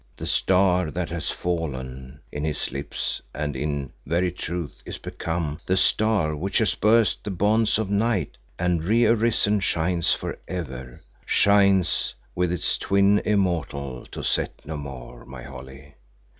The 'Star that hath fallen' in his lips and in very truth is become the 'Star which hath burst the bonds of Night,' and, re arisen, shines for ever shines with its twin immortal to set no more my Holly.